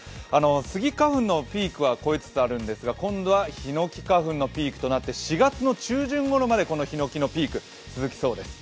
スギ花粉のピークは超えつつあるんですが、今度はヒノキ花粉のピークとなって４月の中旬ごろまでヒノキのピーク続きそうです。